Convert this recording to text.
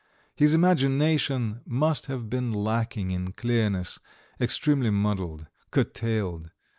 His imagination must have been lacking in clearness, extremely muddled, curtailed.